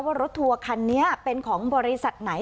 รถทัวร์คันนี้เป็นของบริษัทไหน